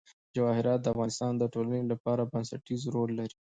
جواهرات د افغانستان د ټولنې لپاره بنسټيز رول لري.